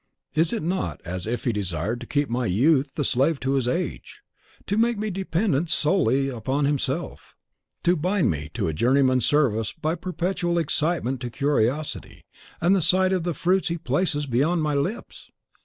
Is it not as if he desired to keep my youth the slave to his age; to make me dependent solely on himself; to bind me to a journeyman's service by perpetual excitement to curiosity, and the sight of the fruits he places beyond my lips?"